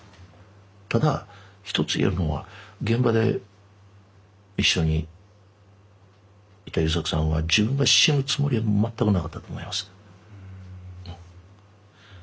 ただ一つ言えるのは現場で一緒にいた優作さんは自分が死ぬつもりは全くなかったと思いますうん。